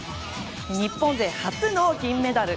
日本勢初の銀メダル。